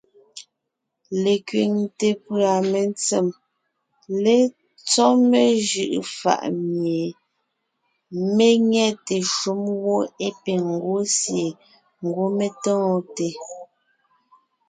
Lekẅiŋte pʉ̀a mentsém létsɔ́ mejʉ’ʉ fà’ mie mé nyɛte shúm wó é piŋ ńgwɔ́ sie ńgwɔ́ mé tóonte.